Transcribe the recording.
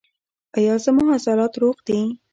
ایا زما عضلات روغ دي؟